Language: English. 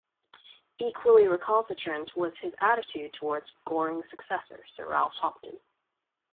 Equally recalcitrant was his attitude towards Goring's successor, Sir Ralph Hopton.